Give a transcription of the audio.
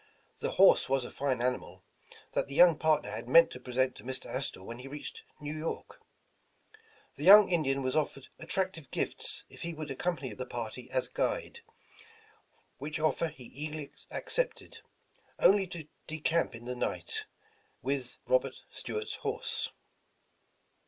The horse was a fine ani mal that the young partner had meant to present to Mr. Astor when he reached New York. The young In dian was offered attractive gifts if he would accom pany the party as guide, which offer he eagerly ac cepted, only to decamp in the night, with his o^m, and Robert Stuart's horse.